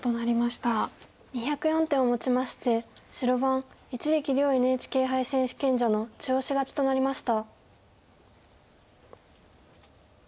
２０４手をもちまして白番一力遼ＮＨＫ杯選手権者の中押し勝ちとなりました。